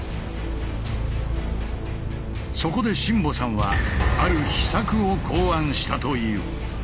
そこで新保さんはある秘策を考案したという。